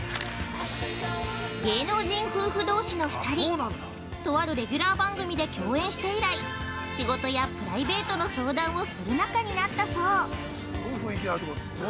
芸能人夫婦どうしの２人とあるレギュラー番組で共演して以来仕事やプライベートの相談をする仲になったそう。